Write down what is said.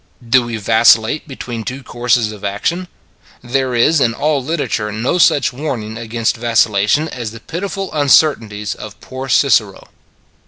Do we vacillate between two courses of action? There is in all literature no such warning against vacillation as the pitiful uncertainties of poor Cicero.